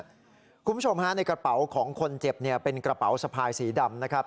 คุณผู้ชมฮะในกระเป๋าของคนเจ็บเนี่ยเป็นกระเป๋าสะพายสีดำนะครับ